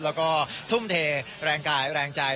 แล้วก็ทุ่มเทแรงกายแรงใจ